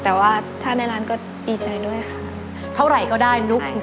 แต่ว่าถ้าในร้านก็ดีใจด้วยค่ะเท่าไหร่ก็ได้ลุก